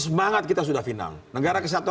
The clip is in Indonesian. semangat kita sudah final negara kesatuan